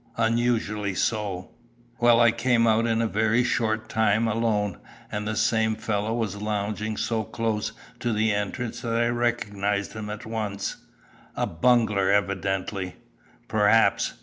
"Unusually so." "Well, I came out in a very short time, alone, and the same fellow was lounging so close to the entrance that I recognised him at once." "A bungler, evidently." "Perhaps.